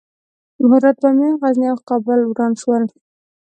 هرات، بامیان، غزني او کابل وران شول.